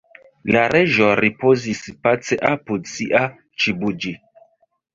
La Reĝo ripozis pace apud sia _ĉibuĝi_.